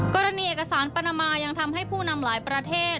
กรณีเอกสารปนามายังทำให้ผู้นำหลายประเทศ